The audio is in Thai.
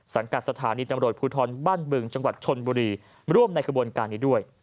กับสถานีตำรวจภูทรบ้านบึงจังหวัดชนบุรีร่วมในกระบวนการนี้ด้วย